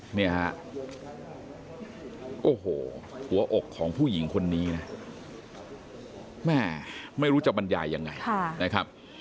เนี่ยฮะโอ้โหหัวอกของผู้หญิงคนนี้นะแม่ไม่รู้จะบรรยายยังไงนะครับ